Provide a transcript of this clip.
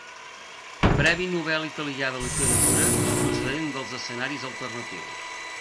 Premi Nobel italià de literatura procedent dels escenaris alternatius.